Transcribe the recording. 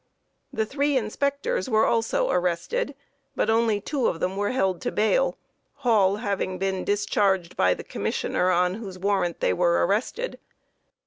The three inspectors were also arrested, but only two of them were held to bail, HALL having been discharged by the Commissioner on whose warrant they were arrested.